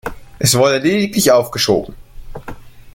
Es wurde lediglich aufgeschoben.